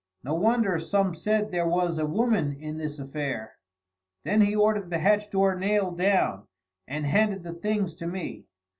"No wonder some said there was a woman in this affair." Then he ordered the hatch door nailed down, and handed the things to me.